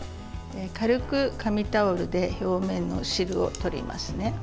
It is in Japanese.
軽く紙タオルで表面の汁を取りますね。